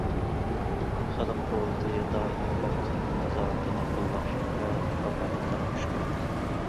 خەلق قۇرۇلتىيى دائىمىي كومىتېتىنىڭ نازارىتىنى قوللاش ۋە كاپالەتلەندۈرۈش كېرەك.